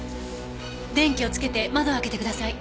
電気をつけて窓を開けてください。